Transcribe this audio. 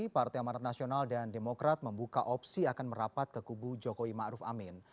partai amanat nasional dan demokrat membuka opsi akan merapat ke kubu jokowi ma'ruf amin